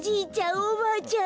おばあちゃん